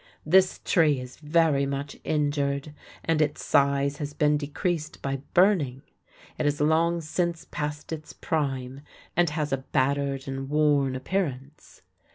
This tree is very much injured, and its size has been decreased by burning. It has long since passed its prime, and has a battered and worn appearance.